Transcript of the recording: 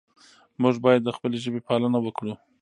موږ باید د خپلې ژبې پالنه وکړو.